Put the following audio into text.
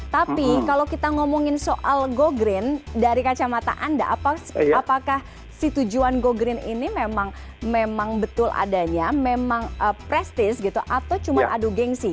tapi kalau kita ngomongin soal go green dari kacamata anda apakah si tujuan go green ini memang betul adanya memang prestis gitu atau cuma adu gengsi